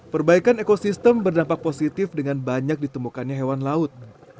perbaikan ekosistem berdampak positif dengan banyak ditemukannya hewan laut